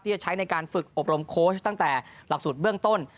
จะใช้ในการฝึกอบรมโค้ชตั้งแต่หลักสูตรเบื้องต้น